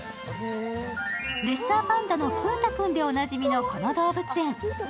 レッサーパンダの風太くんでおなじみのこの動物園。